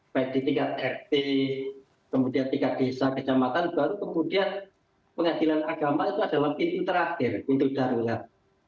baik di tingkat rt kemudian tingkat desa kecamatan baru kemudian pengadilan agama itu adalah pintu terakhir untuk darurat